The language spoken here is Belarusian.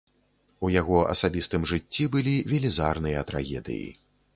У яго асабістым жыцці былі велізарныя трагедыі.